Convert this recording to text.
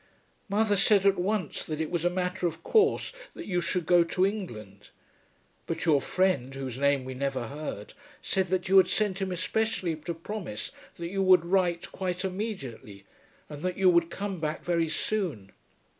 Mother said at once that it was a matter of course that you should go to England; but your friend, whose name we never heard, said that you had sent him especially to promise that you would write quite immediately, and that you would come back very soon.